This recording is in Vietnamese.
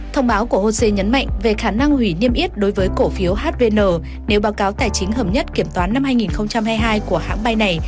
thông báo của hosea nhấn mạnh về khả năng hủy niêm yết đối với cổ phiếu hvn nếu báo cáo tài chính hợp nhất kiểm toán năm hai nghìn hai mươi hai của hãng bay này